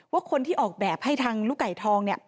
ว่าคนที่ออกแบบให้ทางลูกไก่ทอง